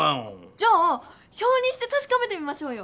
じゃあ表にしてたしかめてみましょうよ！